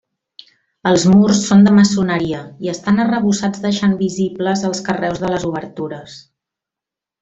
Els murs són de maçoneria, i estan arrebossats deixant visibles els carreus de les obertures.